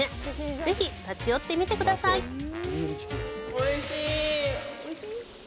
ぜひ立ち寄ってみてください。